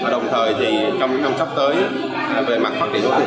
đồng thời trong năm sắp tới về mặt phát triển đô thị